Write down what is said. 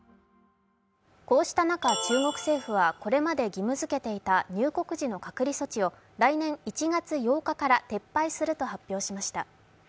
こうした中、中国政府はこれまで義務づけていた入国時の隔離措置を来年１月８日から撤廃すると発表しました。